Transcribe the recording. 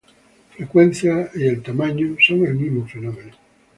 Frecuencia y el tamaño son el mismo fenómeno.